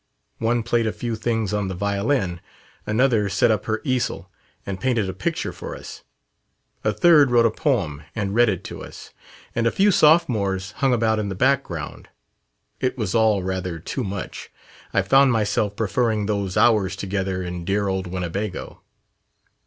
One played a few things on the violin. Another set up her easel and painted a picture for us. A third wrote a poem and read it to us. And a few sophomores hung about in the background. It was all rather too much. I found myself preferring those hours together in dear old Winnebago...."